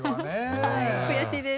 悔しいです。